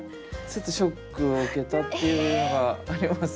ちょっとショックを受けたっていうのがあります。